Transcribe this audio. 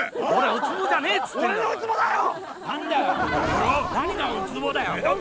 ウツボじゃねえっつってんだろ。